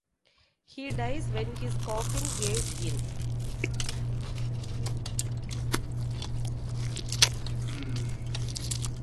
He dies when his coffin caves in.